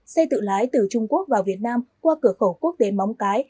xe tự lái từ trung quốc vào việt nam qua cửa khẩu quốc tế móng cái